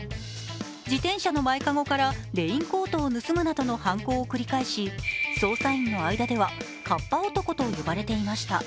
自転車の前かごからレインコートを盗むなどの犯行を繰り返し捜査員の間ではカッパ男と呼ばれていました。